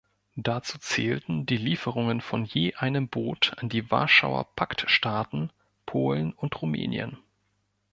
Dazu zählten die Lieferungen von je einem Boot an die Warschauer-Pakt-Staaten Polen und Rumänien.